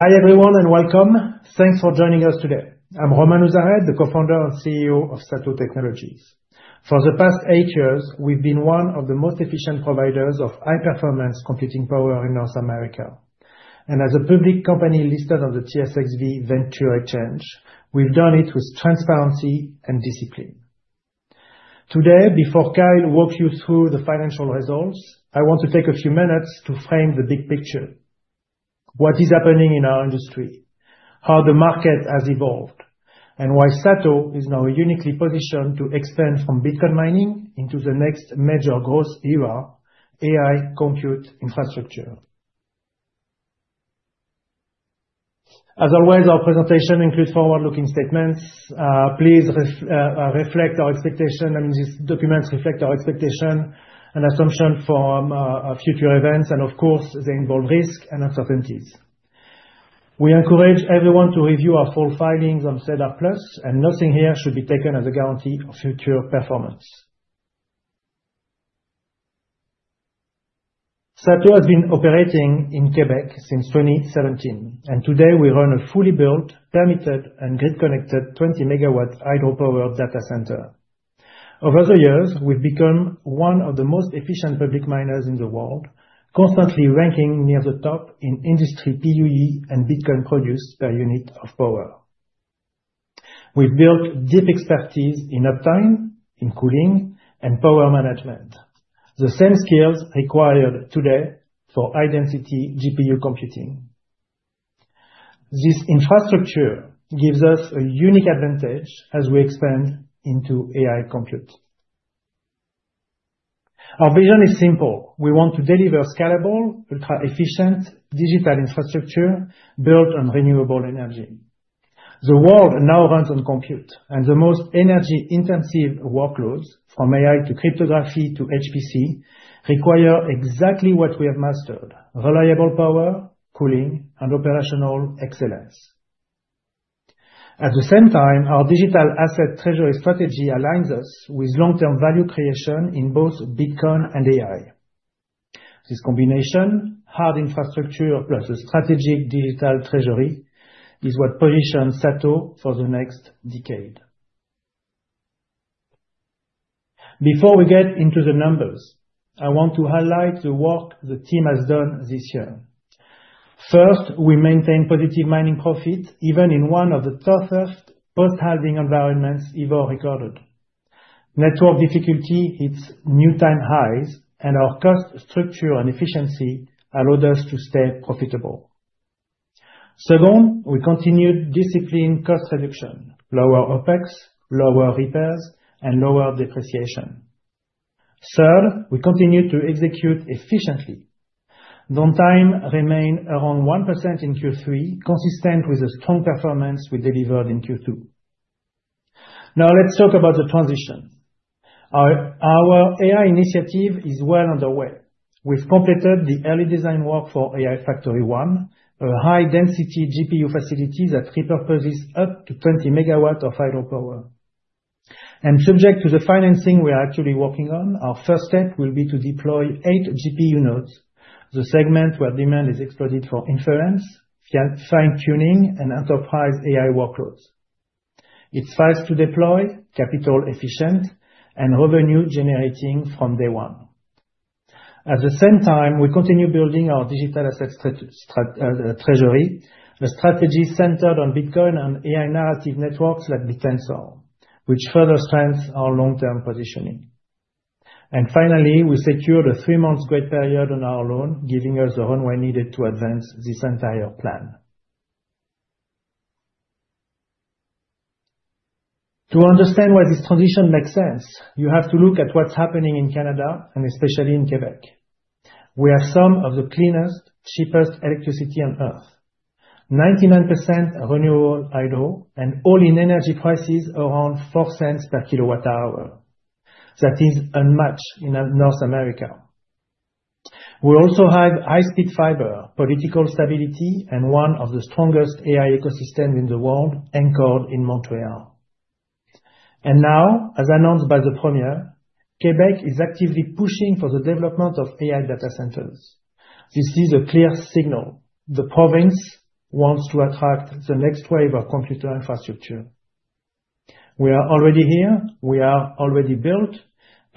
Hi everyone, and welcome. Thanks for joining us today. I'm Romain Nouzareth, the co-founder and CEO of SATO Technologies. For the past eight years, we've been one of the most efficient providers of high-performance computing power in North America. As a public company listed on the TSX Venture Exchange, we've done it with transparency and discipline. Today, before Kyle walks you through the financial results, I want to take a few minutes to frame the big picture. What is happening in our industry, how the market has evolved, and why SATO is now uniquely positioned to expand from Bitcoin mining into the next major growth era, AI compute infrastructure. As always, our presentation includes forward-looking statements. These documents reflect our expectation and assumption from future events, and of course, they involve risk and uncertainties. We encourage everyone to review our full filings on SEDAR+ and nothing here should be taken as a guarantee of future performance. SATO has been operating in Quebec since 2017, and today we run a fully built, permitted, and grid-connected 20 MW hydropower data center. Over the years, we've become one of the most efficient public miners in the world, constantly ranking near the top in industry PUE and Bitcoin produced per unit of power. We've built deep expertise in uptime, in cooling, and power management, the same skills required today for high-density GPU computing. This infrastructure gives us a unique advantage as we expand into AI compute. Our vision is simple. We want to deliver scalable, ultra-efficient digital infrastructure built on renewable energy. The world now runs on compute, and the most energy-intensive workloads, from AI to cryptography to HPC, require exactly what we have mastered: reliable power, cooling, and operational excellence. At the same time, our digital asset treasury strategy aligns us with long-term value creation in both Bitcoin and AI. This combination, hard infrastructure plus a strategic digital treasury, is what positions SATO for the next decade. Before we get into the numbers, I want to highlight the work the team has done this year. First, we maintain positive mining profit, even in one of the toughest post-halving environments ever recorded. Network difficulty hits new time highs, and our cost structure and efficiency allowed us to stay profitable. Second, we continued disciplined cost reduction, lower OpEx, lower repairs, and lower depreciation. Third, we continued to execute efficiently. Downtime remained around 1% in Q3, consistent with the strong performance we delivered in Q2. Let's talk about the transition. Our AI initiative is well underway. We've completed the early design work for AI Factory 1, a high-density GPU facility that repurposes up to 20 MW of hydropower. Subject to the financing we are actually working on, our first step will be to deploy eught GPU nodes, the segment where demand is exploded for inference, fine-tuning, and enterprise AI workloads. It's fast to deploy, capital efficient, and revenue generating from day one. At the same time, we continue building our digital asset treasury, a strategy centered on Bitcoin and AI narrative networks like Bittensor, which further strengths our long-term positioning. Finally, we secured a three-month grace period on our loan, giving us the runway needed to advance this entire plan. To understand why this transition makes sense, you have to look at what's happening in Canada and especially in Quebec. We have some of the cleanest, cheapest electricity on Earth. 99% renewable hydro and all-in energy prices around 0.04 per kWh. That is unmatched in North America. We also have high-speed fiber, political stability, and one of the strongest AI ecosystem in the world anchored in Montreal. Now, as announced by the Premier, Quebec is actively pushing for the development of AI data centers. This is a clear signal. The province wants to attract the next wave of computer infrastructure. We are already here, we are already built,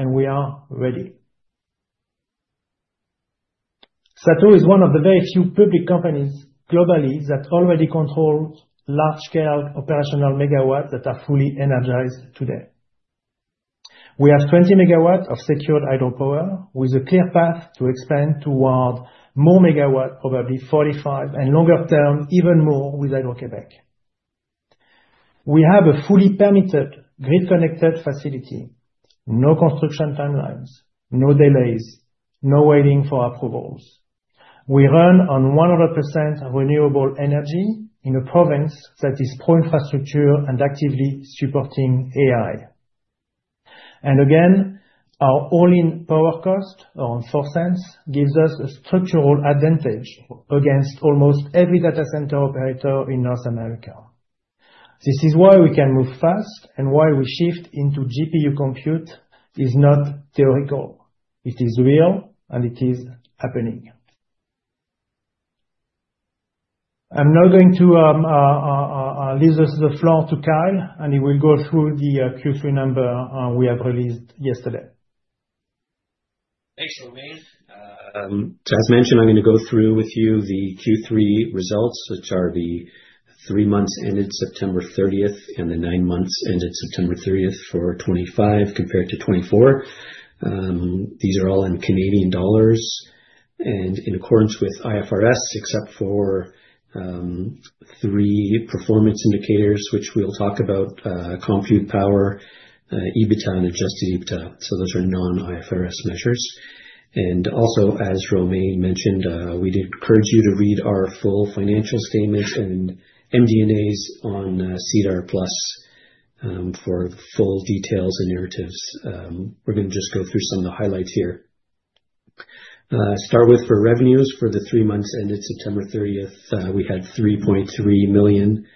and we are ready. SATO is one of the very few public companies globally that already controls large-scale operational MW that are fully energized today. We have 20 MW of secured hydropower, with a clear path to expand toward more MW, probably 45, and longer term, even more with Hydro-Québec. We have a fully permitted, grid-connected facility. No construction timelines, no delays, no waiting for approvals. We run on 100% renewable energy in a province that is pro-infrastructure and actively supporting AI. Our all-in power cost, around 0.04, gives us a structural advantage against almost every data center operator in North America. This is why we can move fast and why we shift into GPU compute is not theoretical. It is real, and it is happening. I'm now going to leave the floor to Kyle, and he will go through the Q3 number we have released yesterday. Thanks, Romain. As mentioned, I'm gonna go through with you the Q3 results, which are the three months ended September 30th and the nine months ended September 30th for 2025 compared to 2024. These are all in Canadian dollars and in accordance with IFRS, except for three performance indicators, which we'll talk about, compute power, EBITDA, and adjusted EBITDA. Those are non-IFRS measures. Also, as Romain mentioned, we'd encourage you to read our full financial statement and MD&As on SEDAR+ for full details and narratives. We're gonna just go through some of the highlights here. Start with for revenues for the three months ended September 30th, we had 3.3 million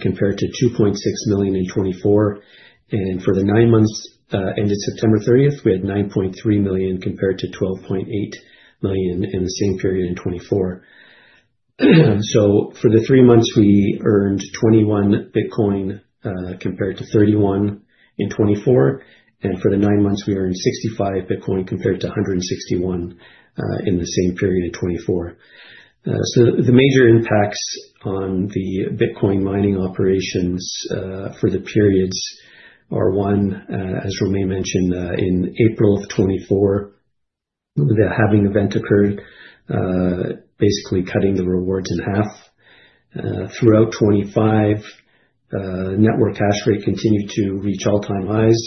compared to 2.6 million in 2024. For the nine months, ended September 30th, we had 9.3 million compared to 12.8 million in the same period in 2024. For the three months, we earned 21 Bitcoin compared to 31 in 2024. For the nine months, we earned 65 Bitcoin compared to 161 in the same period in 2024. The major impacts on the Bitcoin mining operations for the periods are, one, as Romain mentioned, in April of 2024, the halving event occurred, basically cutting the rewards in half. Throughout 2025, network hash rate continued to reach all-time highs,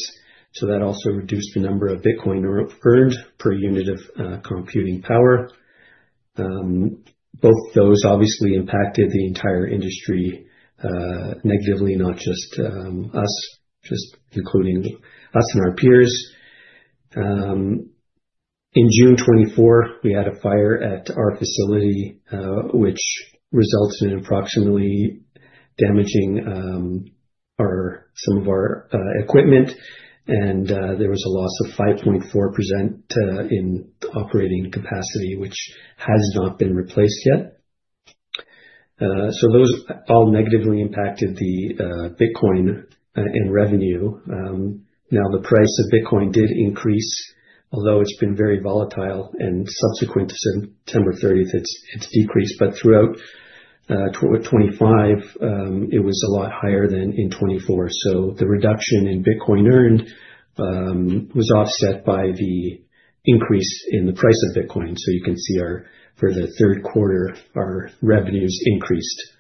that also reduced the number of Bitcoin earned per unit of computing power. Both those obviously impacted the entire industry negatively, not just us, just including us and our peers. In June 2024, we had a fire at our facility, which resulted in approximately damaging some of our equipment. There was a loss of 5.4% in operating capacity, which has not been replaced yet. Those all negatively impacted the Bitcoin in revenue. Now the price of Bitcoin did increase, although it's been very volatile, and subsequent to September 30th it's decreased. Throughout 2025, it was a lot higher than in 2024. The reduction in Bitcoin earned was offset by the increase in the price of Bitcoin. You can see for the third quarter, our revenues increased.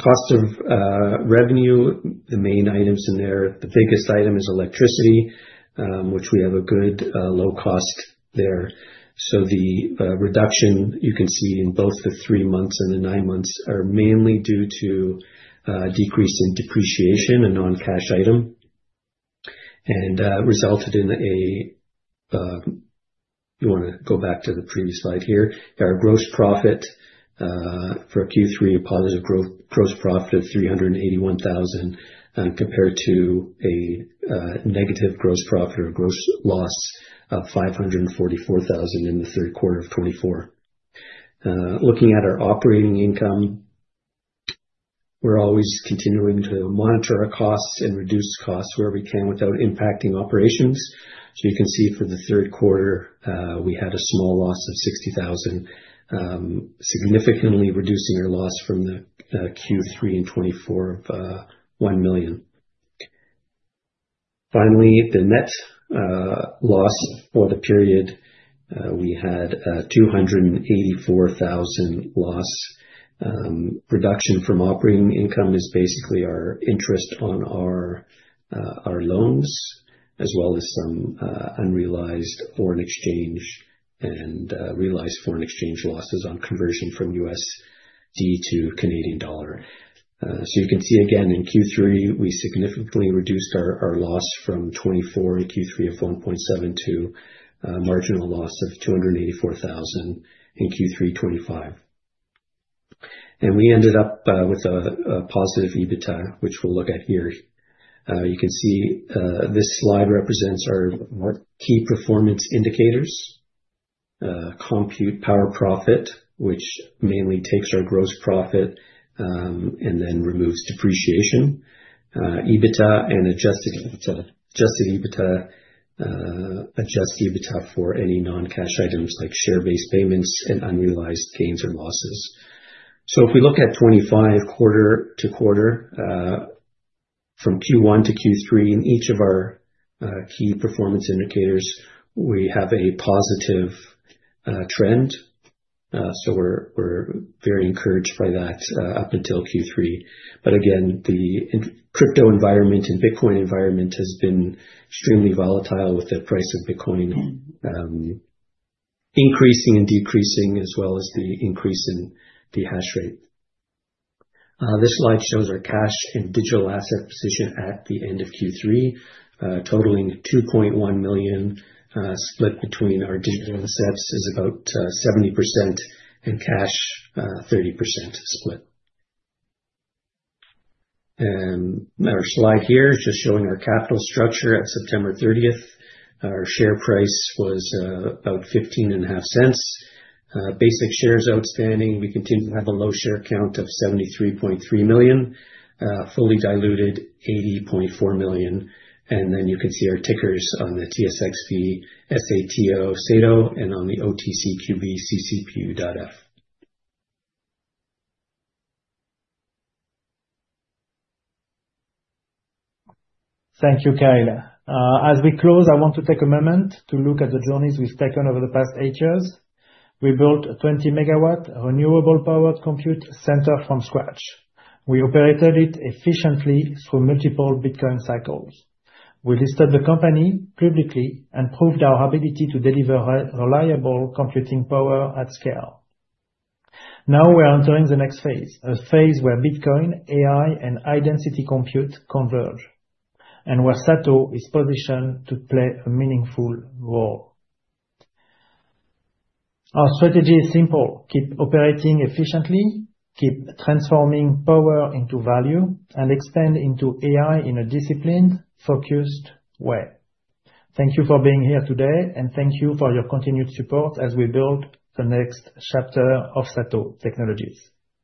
Cost of revenue, the main items in there, the biggest item is electricity, which we have a good low cost there. The reduction you can see in both the three months and the nine months are mainly due to a decrease in depreciation, a non-cash item. Our gross profit for Q3, a positive gross profit of 381,000, compared to a negative gross profit or gross loss of 544,000 in the third quarter of 2024. Looking at our operating income, we're always continuing to monitor our costs and reduce costs where we can without impacting operations. You can see for the third quarter, we had a small loss of 60,000, significantly reducing our loss from the Q3 in 2024 of 1 million. The net loss for the period, we had 284,000 loss. Reduction from operating income is basically our interest on our loans as well as some unrealized foreign exchange and realized foreign exchange losses on conversion from USD to Canadian dollar. You can see again in Q3, we significantly reduced our loss from 2024 in Q3 of 1.7 million to a marginal loss of 284,000 in Q3 2025. We ended up with a positive EBITDA, which we'll look at here. You can see this slide represents our key performance indicators. Compute power profit, which mainly takes our gross profit, and then removes depreciation, EBITDA and adjusted EBITDA. Adjusted EBITDA adjusts EBITDA for any non-cash items like share-based payments and unrealized gains or losses. If we look at 25 quarter-to-quarter, from Q1 to Q3 in each of our key performance indicators, we have a positive trend. We're very encouraged by that up until Q3. Again, the crypto environment and Bitcoin environment has been extremely volatile with the price of Bitcoin increasing and decreasing, as well as the increase in the hash rate. This slide shows our cash and digital asset position at the end of Q3, totaling 2.1 million, split between our digital assets is about 70% and cash 30% split. Our slide here is just showing our capital structure at September 30th. Our share price was about CAD 0.155. Basic shares outstanding, we continue to have a low share count of 73.3 million. Fully diluted, 80.4 million. Then you can see our tickers on the TSXV, S-A-T-O, SATO, and on the OTCQB, CCPU.F. Thank you, Kyle. As we close, I want to take a moment to look at the journeys we've taken over the past eight years. We built a 20 MW renewable powered compute center from scratch. We operated it efficiently through multiple Bitcoin cycles. We listed the company publicly and proved our ability to deliver reliable computing power at scale. Now we are entering the next phase, a phase where Bitcoin, AI, and high-density compute converge, and where SATO is positioned to play a meaningful role. Our strategy is simple: keep operating efficiently, keep transforming power into value, and expand into AI in a disciplined, focused way. Thank you for being here today, and thank you for your continued support as we build the next chapter of SATO Technologies.